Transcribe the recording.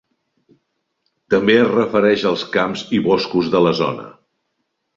També es refereix als camps i boscos de la zona.